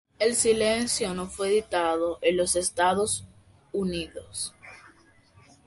El sencillo no fue editado en Estados Unidos.